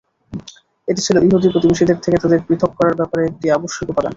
এটি ছিল ইহুদি প্রতিবেশীদের থেকে তাদের পৃথক করার ব্যাপারে একটি আবশ্যিক উপাদান।